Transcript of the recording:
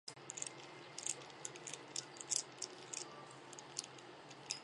他也是南极研究科学委员会第一位苏联代表。